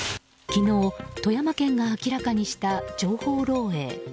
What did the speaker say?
昨日、富山県が明らかにした情報漏洩。